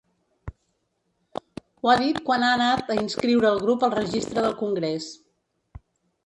Ho ha dit quan ha anat a inscriure el grup al registre del congrés.